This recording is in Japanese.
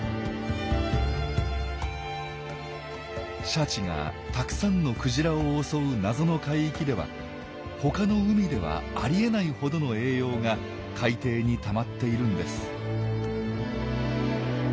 シャチがたくさんのクジラを襲う「謎の海域」では他の海ではありえないほどの栄養が海底にたまっているんです。